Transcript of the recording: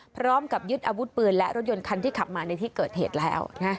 พร้อมกับยึดอาวุธปืนและรถยนต์คันที่ขับมาในที่เกิดเหตุแล้ว